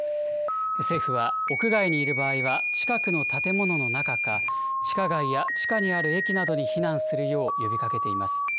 政府は、屋外にいる場合は近くの建物の中か、地下街や地下にある駅などに避難するよう呼びかけています。